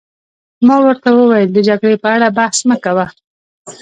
ما ورته وویل: د جګړې په اړه بحث مه کوه.